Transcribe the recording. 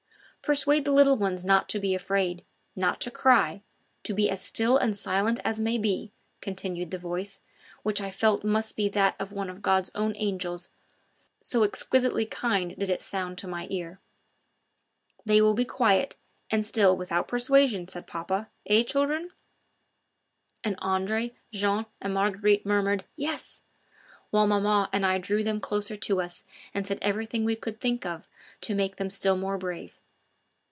"Persuade the little ones not to be afraid, not to cry, to be as still and silent as may be," continued the voice, which I felt must be that of one of God's own angels, so exquisitely kind did it sound to my ear. "They will be quiet and still without persuasion," said papa; "eh, children?" And Jean, Andre, and Marguerite murmured: "Yes!" whilst maman and I drew them closer to us and said everything we could think of to make them still more brave.